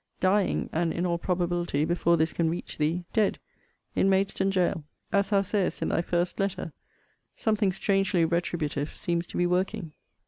Dying, and, in all probability, before this can reach thee, dead, in Maidstone gaol. As thou sayest in thy first letter, something strangely retributive seems to be working.